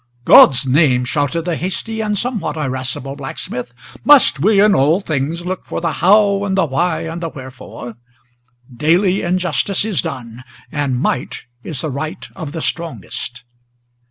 "God's name!" shouted the hasty and somewhat irascible blacksmith; "Must we in all things look for the how, and the why, and the wherefore? Daily injustice is done, and might is the right of the strongest!"